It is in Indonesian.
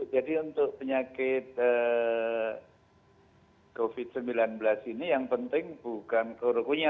jadi untuk penyakit covid sembilan belas ini yang penting bukan kerukunya